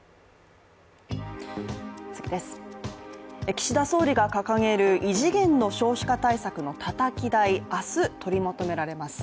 岸田総理が掲げる異次元の少子化対策のたたき台、明日、取りまとめられます。